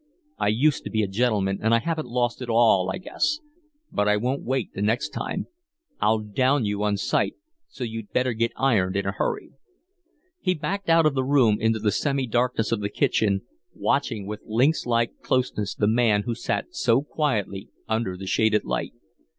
I used to be a gentleman and I haven't lost it all, I guess. But I won't wait the next time. I'll down you on sight, so you'd better get ironed in a hurry." He backed out of the room into the semi darkness of the kitchen, watching with lynx like closeness the man who sat so quietly under the shaded light.